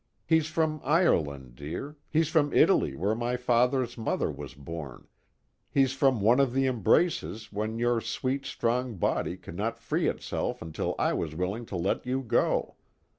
He's from Ireland, dear, he's from Italy where my father's mother was born, he's from one of the embraces when your sweet strong body could not free itself until I was willing to let you go.